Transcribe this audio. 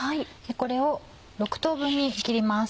これを６等分に切ります。